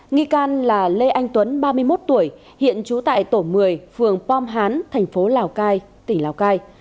nghi can là lê anh tuấn ba mươi một tuổi hiện trú tại tổ một mươi phường pom hán thành phố lào cai tỉnh lào cai